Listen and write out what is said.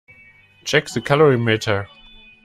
Check the calorimeter.